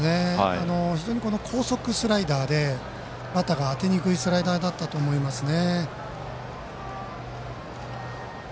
非常に高速スライダーでバッターが当てにくいスライダーだったと思いますね。